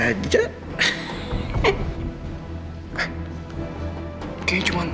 kayaknya cuman mimpi doang deh